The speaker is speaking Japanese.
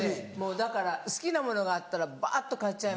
だから好きなものがあったらばっと買っちゃいますね。